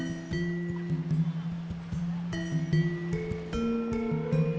salah satu proses pengisiah yang telah dilakukan